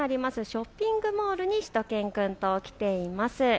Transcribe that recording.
ショッピングモールにしゅと犬くんと来ています。